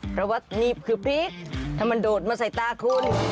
เพราะว่านี่คือพริกถ้ามันโดดมาใส่ตาคุณ